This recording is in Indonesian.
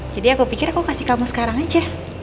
jadi aku pikir aku kasih kamu sekarang aja